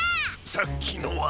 さっきのは。